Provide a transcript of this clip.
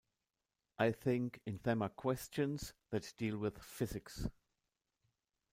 I think in them are questions that deal with physics.